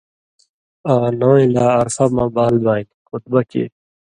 آں نوَیں لا عرفہ مہ بال بانیۡ (خطبہ کیریۡ)؛